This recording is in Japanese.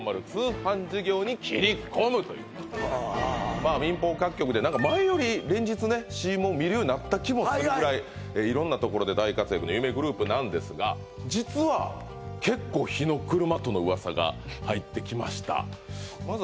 まあ民放各局で前より連日ねＣＭを見るようになった気もするぐらい色んなところで大活躍の夢グループなんですが実は結構火の車との噂が入ってきました